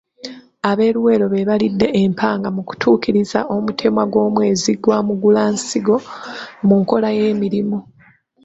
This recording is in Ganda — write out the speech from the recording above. Ab’e Luweero be baalidde empanga mu kutuukiriza omutemwa gw’omwezi gwa Mugulansigo mu nkola y’emirimu.